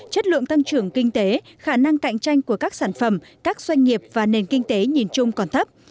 chất lượng tăng trưởng kinh tế khả năng cạnh tranh của các sản phẩm các doanh nghiệp và nền kinh tế nhìn chung còn thấp